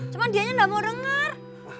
cuman dianya gak mau denger